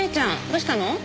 どうしたの？